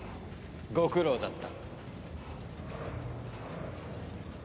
ご苦労だった。